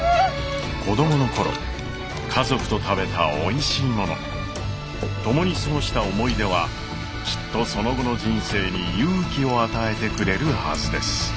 子供の頃家族と食べたおいしいもの共に過ごした思い出はきっとその後の人生に勇気を与えてくれるはずです。